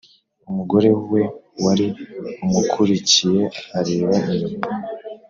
Umugore we wari umukurikiye areba inyuma